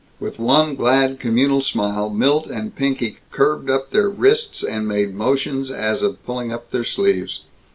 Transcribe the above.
With one glad communal smile Milt and Pinky curved up their wrists and made motions as of pulling up their sleeves.